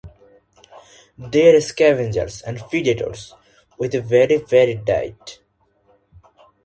They are scavengers and predators with a very varied diet.